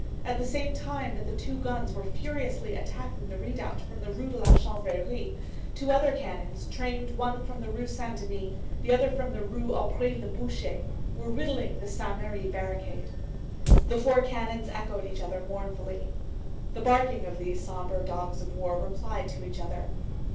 At the same time that the two guns were furiously attacking the redoubt from the Rue de la Chanvrerie, two other cannons, trained one from the Rue Saint Denis, the other from the Rue Aubry le Boucher, were riddling the Saint Merry barricade. The four cannons echoed each other mournfully. The barking of these sombre dogs of war replied to each other.